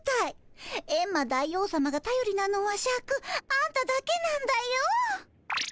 エンマ大王さまがたよりなのはシャクあんただけなんだよ。